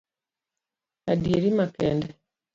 Adieri makende